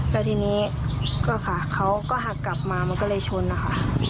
แล้วทีนี้ก็ค่ะเขาก็หักกลับมามันก็เลยชนนะคะ